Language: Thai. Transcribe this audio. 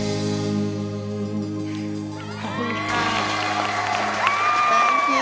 ขอบคุณค่ะ